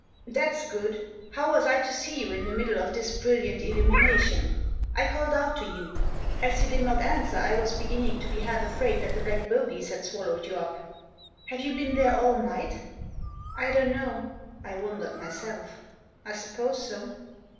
" That's good. How was I to see you in the middle of this brilliant illumination ? I called out to you ; as you did not answer I was beginning to be half afraid that the black bogies had swallowed you up. Have you been there all night ?"" I don't know." I wondered myself. " I suppose so."